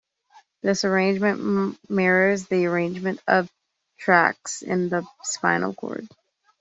This arrangement mirrors the arrangement of tracts in the spinal cord.